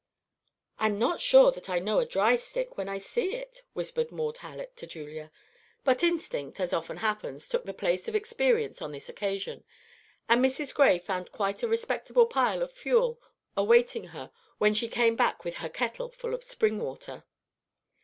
"I'm not sure that I know a dry stick when I see it," whispered Maud Hallett to Julia; but instinct, as often happens, took the place of experience on this occasion, and Mrs. Gray found quite a respectable pile of fuel awaiting her when she came back with her kettle full of spring water.